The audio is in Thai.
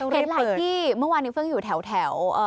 เห็นหลายที่เมื่อวานนี้เฟื่องอยู่แถว